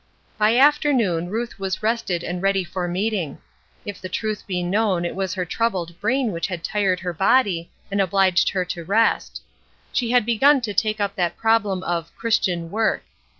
By afternoon Ruth was rested and ready for meeting; if the truth be known it was her troubled brain which had tired her body and obliged her to rest. She had begun to take up that problem of "Christian work."